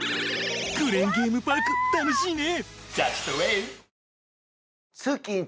クレーンゲームパーク楽しいね！